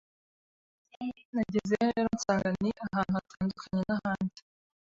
nagezeyo rero nsanga ni ahantu hatandukanye n’ahandi